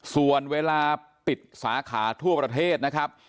ส่วนเวลาปิดสาขาทั่วประเทศนะครับ